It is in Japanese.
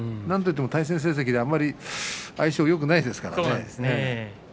なんといっても対戦成績であまり相性がよくないですからね。